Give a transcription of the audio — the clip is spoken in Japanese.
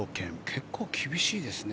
結構厳しいですね。